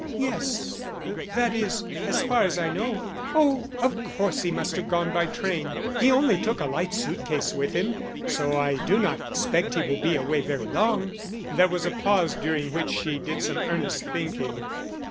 "Yes that is, as far as I know. Oh, of course he must have gone by train. He only took a light suitcase with him, so I do not expect he will be away very long." There was a pause during which she did some earnest thinking.